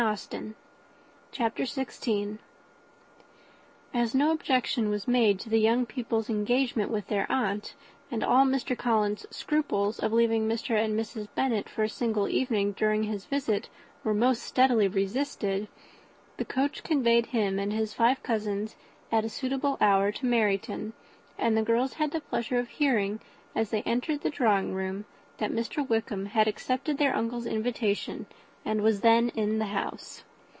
CHAPTER XVI. As no objection was made to the young people's engagement with their aunt, and all Mr. Collins's scruples of leaving Mr. and Mrs. Bennet for a single evening during his visit were most steadily resisted, the coach conveyed him and his five cousins at a suitable hour to Meryton; and the girls had the pleasure of hearing, as they entered the drawing room, that Mr. Wickham had accepted their uncle's invitation, and was then in the house.